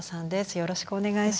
よろしくお願いします。